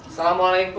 assalamualaikum kak aku